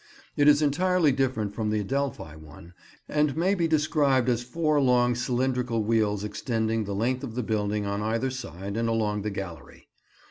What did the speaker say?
It is entirely different from the Adelphi one, and may be described as four long cylindrical wheels extending the length of the building on either side and along the gallery.